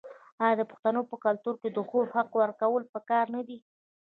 آیا د پښتنو په کلتور کې د خور حق ورکول پکار نه دي؟